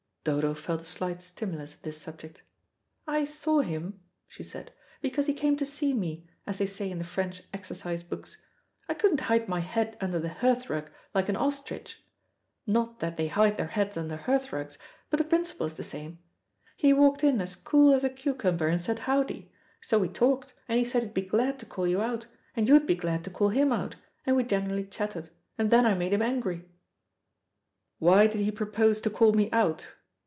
Dodo felt a slight stimulus in this subject. "I saw him," she said, "because he came to see me, as they say in the French exercise books. I couldn't hide my head under the hearthrug like an ostrich hot that they hide their heads under hearth rugs, but the principle is the same. He walked in as cool as a cucumber, and said, 'Howdy?' So we talked, and he said he'd be glad to call you out, and you'd be glad to call him out, and we generally chattered, and then I made him angry." "Why did he propose to call me out?"